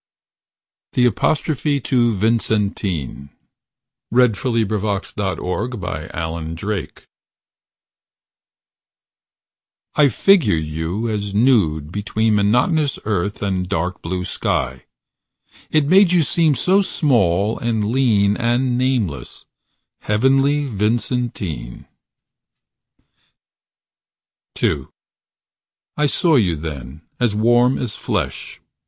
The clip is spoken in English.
The Apostrophe to Vincentine Modern School, V, 12, Dec 1918 Not found online I I figured you as nude between Monotonous earth and dark blue sky. It made you seem so small and lean And nameless. Heavenly Vincentine . II I saw you then, as warm as flesh.